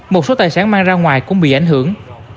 một số tài sản mang ra ngoài cũng bị ảnh hưởng